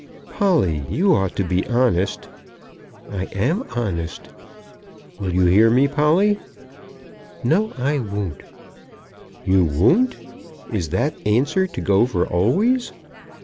"Polly, you ought to be honest." "I am honest." "Will you hear me, Polly?" "No, I won't." "You won't! Is that answer to go for always?"